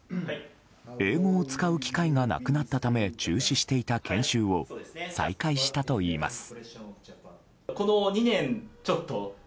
英語を使う機会がなくなったため中止していた研修を再開したといいます。